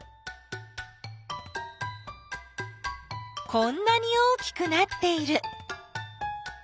こんなに大きくなっている。